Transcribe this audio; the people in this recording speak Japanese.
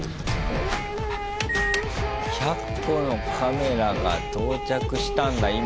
１００個のカメラが到着したんだ今。